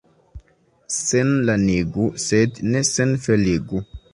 Senlanigu, sed ne senfeligu.